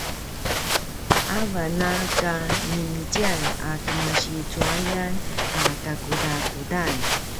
avan a kanimitjan a kemasi cuayan a kakudakudan